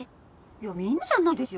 いやみんなじゃないですよ。